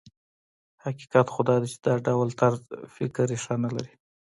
حقیقت خو دا دی چې دا ډول طرز فکر ريښه نه لري.